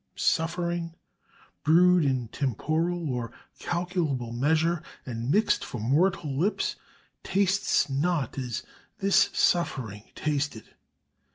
Suffering, brewed in temporal or calculable measure, and mixed for mortal lips, tastes not as this suffering tasted.